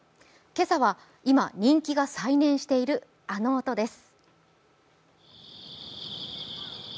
今朝は今人気が再燃しているあの音です。